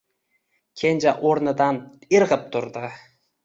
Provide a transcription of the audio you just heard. Kenja o‘rnidan irg‘ib turdi.